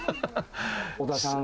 尾田さん